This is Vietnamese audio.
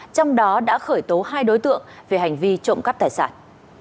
trong đó đã khởi tố hai đối tượng về hành vi trộm cắp tài sản